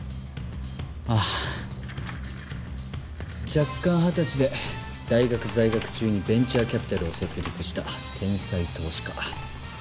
弱冠二十歳で大学在学中にベンチャーキャピタルを設立した天才投資家。